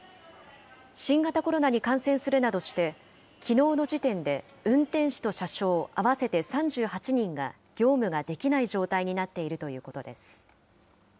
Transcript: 新型コロナに感染するなどして、きのうの時点で、運転士と車掌合わせて３８人が業務ができない状態になっているということです。